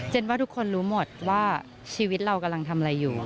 ว่าทุกคนรู้หมดว่าชีวิตเรากำลังทำอะไรอยู่